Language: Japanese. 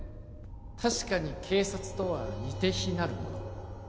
確かに警察とは似て非なるもの